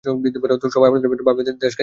সবাই আপনাদের মত ভাবলে দেশকে কে রক্ষা করবে?